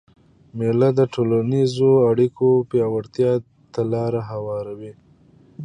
مېله د ټولنیزو اړیکو پیاوړتیا ته لاره هواروي.